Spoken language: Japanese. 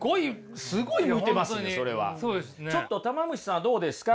ちょっとたま虫さんはどうですか。